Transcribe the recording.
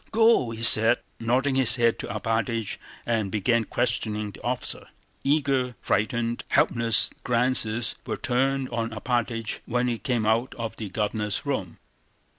"Go," he said, nodding his head to Alpátych, and began questioning the officer. Eager, frightened, helpless glances were turned on Alpátych when he came out of the Governor's room.